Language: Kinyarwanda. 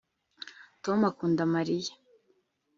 Tom akunda Mariya